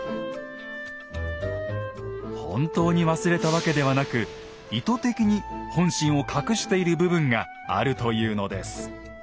本当に忘れたわけではなく意図的に本心を隠している部分があるというのです。